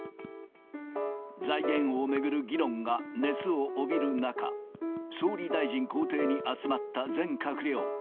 財源を巡る議論が熱を帯びる中、総理大臣公邸に集まった全閣僚。